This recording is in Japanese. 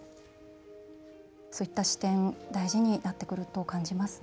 そういった視点大事になってくると感じますね。